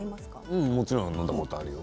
うん、もちろん飲んだことあるよ。